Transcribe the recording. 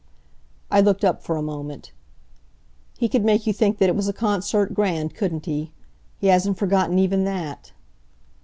I looked up for a moment. "He could make you think that it was a concert grand, couldn't he? He hasn't forgotten even that?"